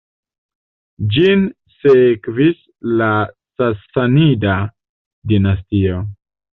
Ĝin sekvis la Sasanida dinastio.